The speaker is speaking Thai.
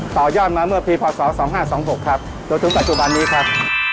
ต่อยอดมาเมื่อปีพศ๒๕๒๖ครับจนถึงปัจจุบันนี้ครับ